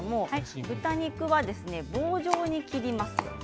豚肉は棒状に切ります。